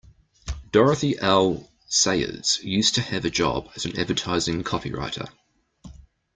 Dorothy L Sayers used to have a job as an advertising copywriter